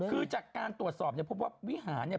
คือจากการตรวจสอบเนี่ยพบว่าวิหารเนี่ย